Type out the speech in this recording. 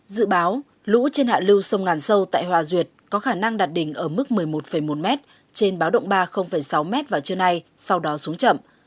dự báo lũ trên hạ lưu sông ngàn sâu tại hòa duyệt có khả năng đạt đỉnh ở mức một mươi một một m trên báo động ba sáu m vào trưa nay sau đó xuống chậm